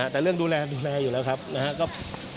แต่เรื่องดูแลแม่อยู่แล้วครับ